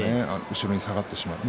後ろに下がってしまったり。